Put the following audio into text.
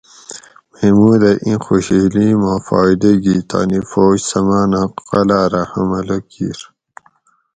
محمود ھہ ایں خوشحیلی ما فائدہ گی تانی فوج سمانہ قلعہ رہ حملہ کیر